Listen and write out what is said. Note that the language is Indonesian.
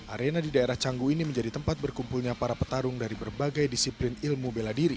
arena di daerah canggu ini menjadi tempat berkumpulnya para petarung dari berbagai disiplin ilmu bela diri